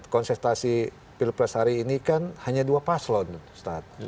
konsultasi pilpres hari ini kan hanya dua paslon ustaz